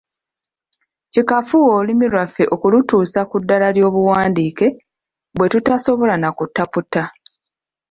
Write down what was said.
Kikafuuwe olulimi lwaffe okulutuusa ku ddaala ly’obuwandiike bwe tutasobola na kutaputa.